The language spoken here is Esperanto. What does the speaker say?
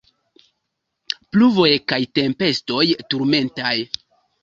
Pluvoj kaj tempestoj turmentaj.